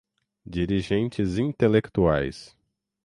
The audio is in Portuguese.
dirigentes intelectuais